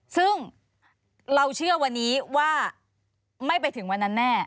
ซึ่งเราเชื่อวันนี้ว่าไม่ไปถึงวันนั้นแน่